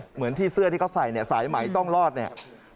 เหมือนที่เสื้อที่เขาใส่เนี่ยสายไหมต้องรอดเนี่ย